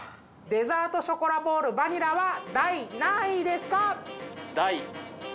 デザートショコラボールバニラは第何位ですか？